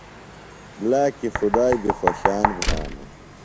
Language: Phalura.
لاکی خدائی بیۡ خوۡشان بھانوۡ۔